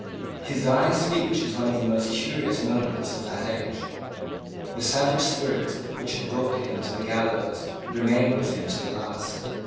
His dying speech is one of the most curious monuments of that age. The savage spirit which had brought him to the gallows remained with him to the last.